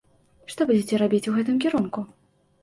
Што будзеце рабіць у гэтым кірунку?